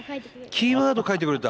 キーワード書いてくれた？